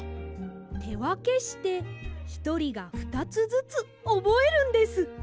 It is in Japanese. てわけしてひとりが２つずつおぼえるんです！